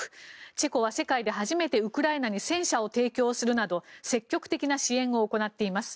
チェコは世界で初めてウクライナに戦車を提供するなど積極的な支援を行っています。